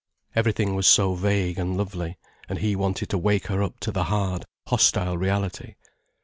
Everything was so vague and lovely, and he wanted to wake her up to the hard, hostile reality.